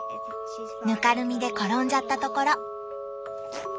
ぬかるみで転んじゃったところ。